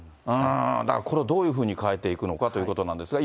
だからこれをどういうふうに変えていくのかということなんですが。